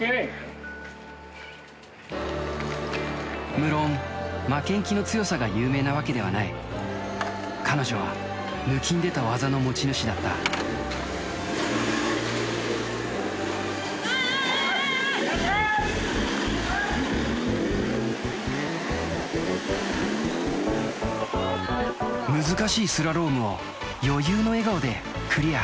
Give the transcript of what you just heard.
・無論負けん気の強さが有名なわけではない彼女は抜きんでた技の持ち主だった難しいスラロームを余裕の笑顔でクリア